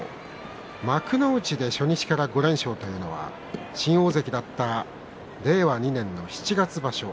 幕内で初日から５連勝というのは新大関だった令和２年の七月場所